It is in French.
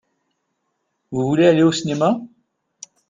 Vous voulez aller au cinéma ?